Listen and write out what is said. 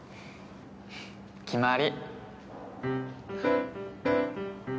決まり。